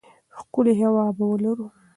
ښکلې هوا به ولرو.